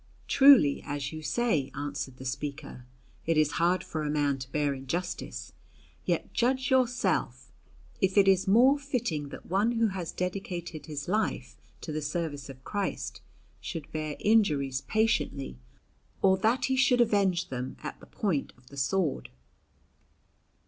"Truly, as you say," answered the speaker, "it is hard for a man to bear injustice; yet judge yourself if it is more fitting that one who has dedicated his life to the service of Christ should bear injuries patiently, or that he should avenge them at the point of the sword."